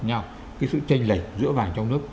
nhau cái sự tranh lệch giữa vàng trong nước